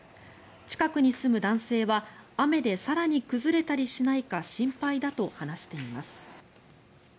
近くに住む男性は雨で更に崩れたりしないか心配だと話しています。